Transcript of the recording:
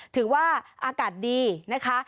ถือว่าอากาศดีนะคะ